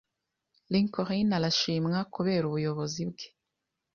Lincoln arashimwa kubera ubuyobozi bwe.